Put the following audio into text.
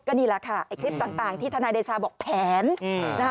ก็นี่แหละค่ะคลิปต่างที่ธนายใดชาวบอกแผน